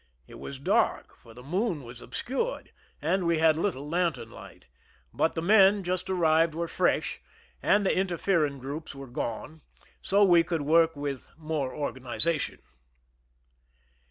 It was dark, for the moon was obscured, and we had little lantern light ; but the men just arrived were fresh, and the inter fering groups were gone, so we could work with more organization.